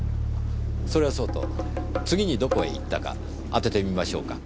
それはそうと次にどこへ行ったか当ててみましょうか。